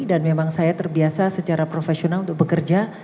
dan memang saya terbiasa secara profesional untuk bekerja